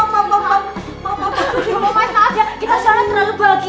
maaf ya kita soalnya terlalu bahagia